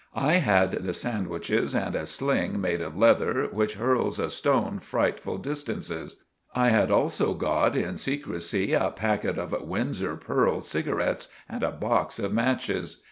I had the sandwiches and a sling made of lether, which hurls a stone friteful distances. I had also got in secresy a packet of 'Windsor Pearl' cigarets and a box of matches.